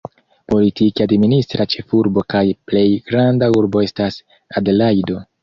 Politike administra ĉefurbo kaj plej granda urbo estas Adelajdo.